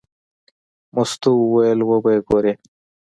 مستو وویل: وبه یې ګورې.